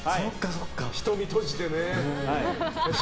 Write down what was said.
瞳閉じてね。